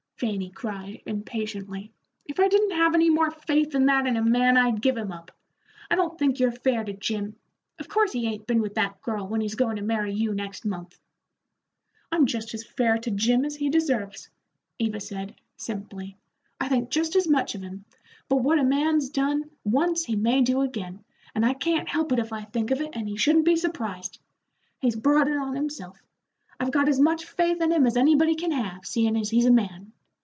Fanny cried, impatiently. "If I didn't have any more faith than that in a man, I'd give him up. I don't think you're fair to Jim. Of course he ain't been with that girl, when he's goin' to marry you next month." "I'm just as fair to Jim as he deserves," Eva said, simply. "I think just as much of him, but what a man's done once he may do again, and I can't help it if I think of it, and he shouldn't be surprised. He's brought it on himself. I've got as much faith in him as anybody can have, seein' as he's a man.